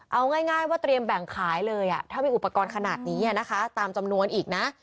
เอาง่ายว่าเตรียมแบ่งขายเลยถ้ามีอุปกรณ์ขนาดนี้นะคะตามจำนวนอีกนะ